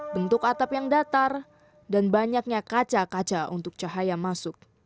bentuk atap yang datar dan banyaknya kaca kaca untuk cahaya masuk